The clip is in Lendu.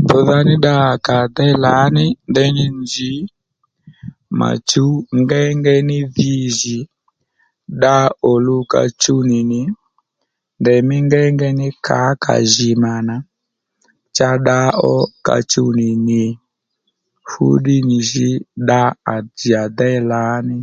Mbrdha ní dda à kà à déy lǎní ndeyní nzǐ mà chǔw ngéyngéy ní dhi jì dda òluw ka chuw nì nì nděymí ngéyngéy ní kǎkà jì mà nà cha dda ó ka chuw nì nì fúddiy nì jǐ dda à déy lǎní